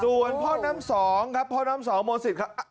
ส่วนพ่อน้ำสองครับพ่อน้ำสองโมสิตครับ